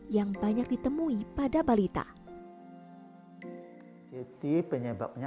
secara medis hani menginap retinoblastoma atau kanker pada retina